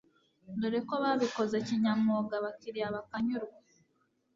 dore ko babikoze kinyamwuga abakiliya bakanyurwa